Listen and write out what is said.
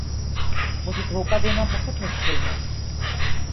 مجھے دھوکا دینا بہت مشکل ہے